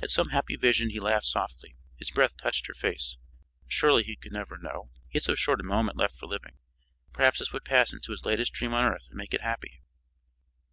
At some happy vision he laughed softly. His breath touched her face. Surely he could never know; he had so short a moment left for living; perhaps this would pass into his latest dream on earth and make it happy.